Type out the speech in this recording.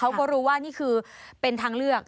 เขาก็รู้ว่านี่คือเป็นทางเลือก